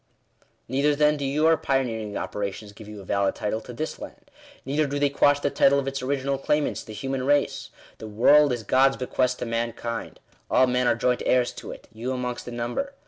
"Neither then do your pioneering operations give you a valid title to this land. Neither do they quash the title of its original claimants — the human race. The world is God's be quest to mankind. All men are joint heirs to it ; you amongst the number.